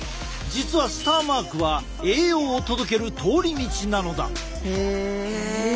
実はスターマークは栄養を届ける通り道なのだ。